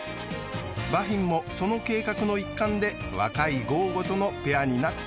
バフィンもその計画の一環で若いゴーゴとのペアになったというわけ。